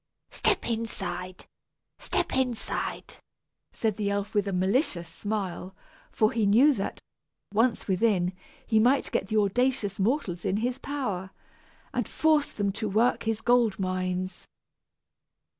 "Step inside, step inside," said the elf with a malicious smile, for he knew that, once within, he might get the audacious mortals in his power, and force them to work his gold mines.